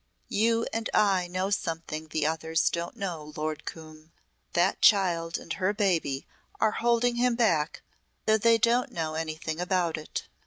"You and I know something the others don't know, Lord Coombe. That child and her baby are holding him back though they don't know anything about it."